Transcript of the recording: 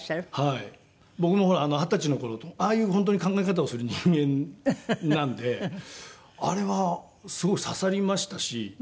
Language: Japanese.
僕もほら二十歳の頃ああいう本当に考え方をする人間なんであれはすごく刺さりましたし。